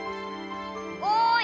・おい！